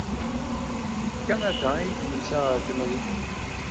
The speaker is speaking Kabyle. Seg Kanada ay d-yusa ɣer Temrikt.